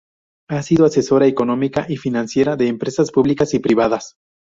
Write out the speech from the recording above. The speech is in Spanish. Ha sido asesora económica y financiera de empresas públicas y privadas.